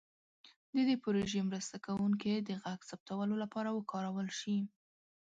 د دې پروژې مرسته کوونکي د غږ ثبتولو لپاره وکارول شي.